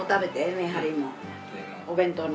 お弁当に。